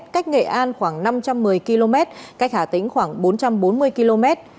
cách nghệ an khoảng năm trăm một mươi km cách hà tĩnh khoảng bốn trăm bốn mươi km